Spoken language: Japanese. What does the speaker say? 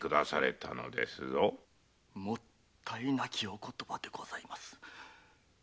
もったいなきお言葉でございます！